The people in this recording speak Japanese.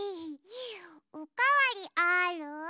おかわりある？